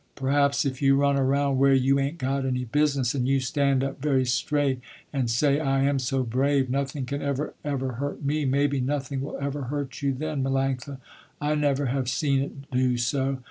Perhaps if you run around where you ain't got any business, and you stand up very straight and say, I am so brave, nothing can ever ever hurt me, maybe nothing will ever hurt you then Melanctha. I never have seen it do so.